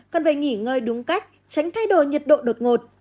cần phải nghỉ ngơi đúng cách tránh thay đổi nhiệt độ đột ngột